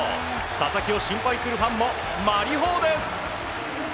佐々木を心配するファンもまりほーです。